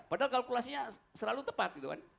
padahal kalkulasinya selalu tepat